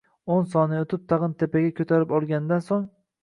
O‘n soniya o‘tib tag‘in tepaga ko‘tarilib olganidan so‘ng